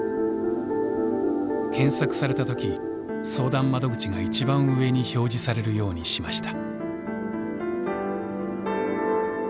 検索された時相談窓口が一番上に表示されるようにしました。